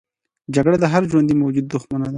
جګړه د هر ژوندي موجود دښمنه ده